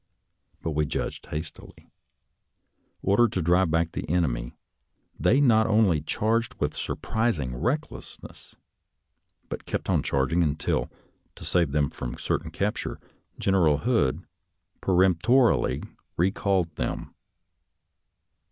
But we judged hastily. Ordered to drive the enemy back, they not only charged with surprising recklessness, but kept on charging until, to save them from certain capture. General Hood peremptorily recalled them.